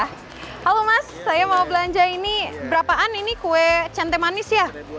halo mas saya mau belanja ini berapaan ini kue cente manis ya